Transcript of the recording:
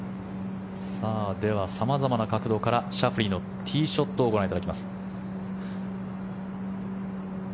では様々な角度からシャフリーのティーショットをご覧いただきます。